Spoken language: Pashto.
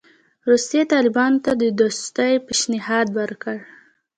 روسیې طالبانو ته د دوستۍ پېشنهاد وکړ.